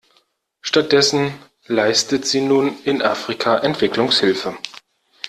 Stattdessen leistet sie nun in Afrika Entwicklungshilfe.